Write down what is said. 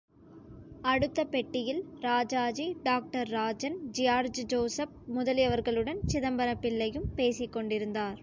அடுத்த பெட்டியில் Rajaji, doctor Rajan, George Joseph முதலியவர்களுடன் சிதம்பரம் பிள்ளையும் பேசிக் கொண்டிருந்தார்.